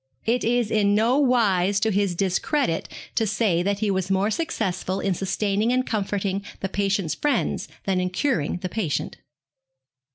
It is in no wise to his discredit to say that he was more successful in sustaining and comforting the patient's friends than in curing the patient.